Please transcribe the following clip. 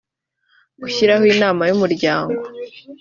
gushyiraho inama y umuryango